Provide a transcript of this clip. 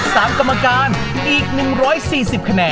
จำให้ใช้หน้าน้ำค่าเสียงสบาย